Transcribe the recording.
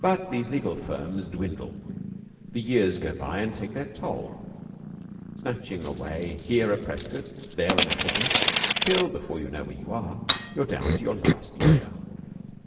But these legal firms dwindle. The years go by and take their toll, snatching away here a Prescott, there an Appleby, till before you know where you are, you are down to your last lawyer.